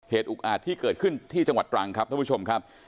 อุกอาจที่เกิดขึ้นที่จังหวัดตรังครับท่านผู้ชมครับ